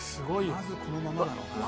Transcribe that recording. まずこのままだろうな。